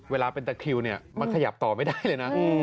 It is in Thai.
เวลาเป็นตะคิวเนี่ยมันขยับต่อไม่ได้เลยนะ